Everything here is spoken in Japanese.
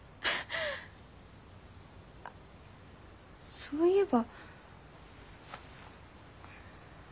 あそういえば。